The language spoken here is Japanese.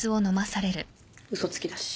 嘘つきだし。